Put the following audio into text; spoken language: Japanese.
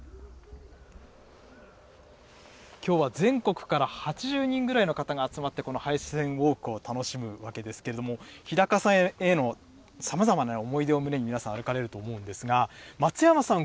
きょうは全国から８０人ぐらいの方が集まって、この廃線ウォークを楽しむわけですけれども、日高線へのさまざまなおもいをむねに皆さん歩かれると思うんですが、松山さん